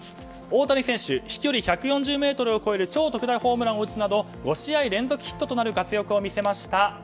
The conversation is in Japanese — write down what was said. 大谷選手飛距離１４０ｍを超える超特大ホームランを打つなど５試合連続ヒットとなる活躍を見せました。